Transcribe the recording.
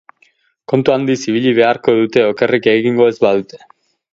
Kontu handiz ibili beharko dute okerrik egingo ez badute.